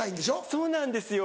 そうなんですよ